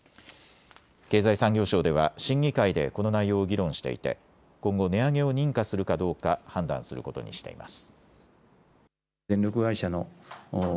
経済産業省では審議会でこの内容を議論していて今後、値上げを認可するかどうか判断することにしています。